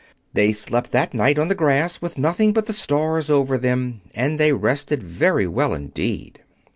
They slept that night on the grass, with nothing but the stars over them; and they rested very well indeed.